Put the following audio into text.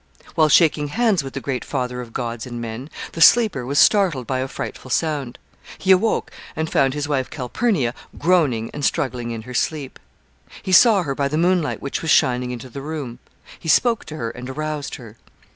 While shaking hands with the great father of gods and men, the sleeper was startled by a frightful sound. He awoke, and found his wife Calpurnia groaning and struggling in her sleep. He saw her by the moonlight which was shining into the room. He spoke to her, and aroused her.